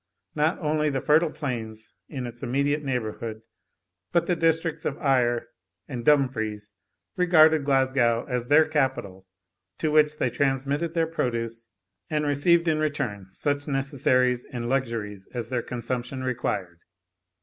Not only the fertile plains in its immediate neighbourhood, but the districts of Ayr and Dumfries regarded Glasgow as their capital, to which they transmitted their produce, and received in return such necessaries and luxuries as their consumption required.